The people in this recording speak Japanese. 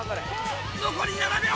残り７秒！